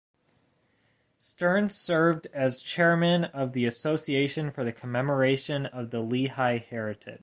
Stern served as chairman of the Association for the Commemoration of the Lehi Heritage.